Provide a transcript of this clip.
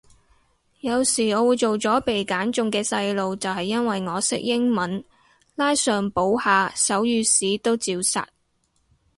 有時我會做咗被揀中嘅細路就係因為我識英文，拉上補下手語屎都照殺